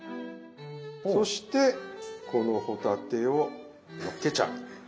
そしてこの帆立てをのっけちゃう。